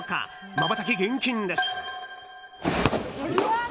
まばたき厳禁です！